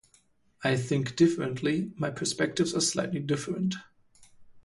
I think differently, my perspectives are slightly different.